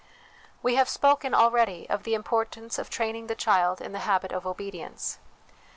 We have spoken already 3<88 HOME EDUCATION of the importance of training the child in the habit of obedience.